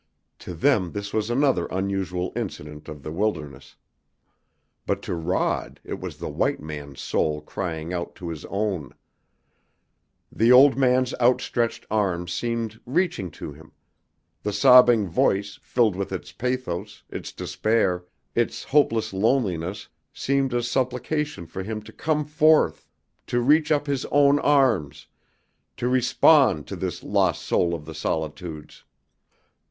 To them this was another unusual incident of the wilderness. But to Rod it was the white man's soul crying out to his own. The old man's outstretched arms seemed reaching to him, the sobbing voice, filled with its pathos, its despair, its hopeless loneliness, seemed a supplication for him to come forth, to reach up his own arms, to respond to this lost soul of the solitudes.